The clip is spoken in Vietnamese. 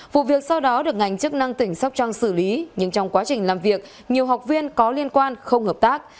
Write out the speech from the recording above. vụ việc sau đó được ngành chức năng tỉnh sóc trăng xử lý nhưng trong quá trình làm việc nhiều học viên có liên quan không hợp tác